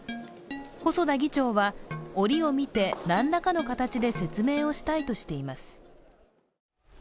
細田議長は、折を見て何らかの形で説明をしたいとしています。